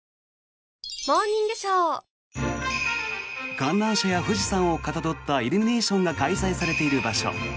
観覧車や富士山をかたどったイルミネーションが開催されている場所